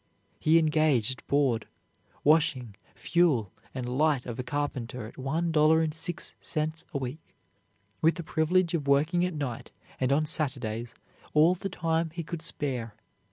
He engaged board, washing, fuel, and light of a carpenter at one dollar and six cents a week, with the privilege of working at night and on Saturdays all the time he could spare.